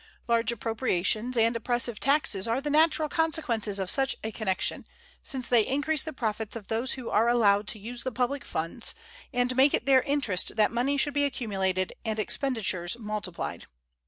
Large appropriations and oppressive taxes are the natural consequences of such a connection, since they increase the profits of those who are allowed to use the public funds, and make it their interest that money should be accumulated and expenditures multiplied.